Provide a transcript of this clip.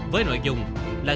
với nội dung là